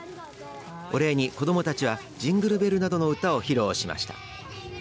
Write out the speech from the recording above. お礼に子どもたちはジングルベルなどの歌を披露しました。